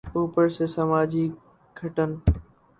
اوپر سے سماجی گھٹن۔